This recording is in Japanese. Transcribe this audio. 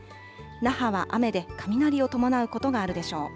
那覇は雨で、雷を伴うことがあるでしょう。